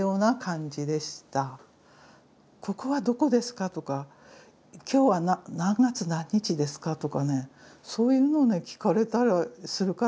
「ここはどこですか？」とか「今日は何月何日ですか？」とかねそういうのをね聞かれたりするからね